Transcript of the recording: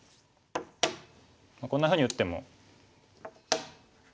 こんなふうに打っても。